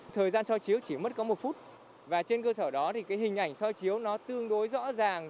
thời gian soi chiếu chỉ mất có một phút và trên cơ sở đó hình ảnh soi chiếu tương đối rõ ràng